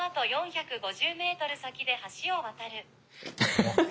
ハハハハ。